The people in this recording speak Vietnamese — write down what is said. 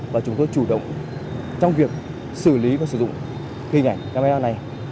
và chúng tôi chủ động trong việc xử lý và sử dụng hình ảnh camera này